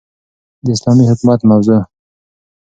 داسلامي حكومت موضوع